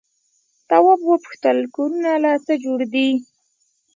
تواب وپوښتل کورونه له څه جوړ دي؟